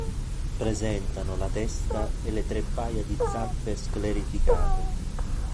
Presentano la testa e le tre paia di zampe sclerificate.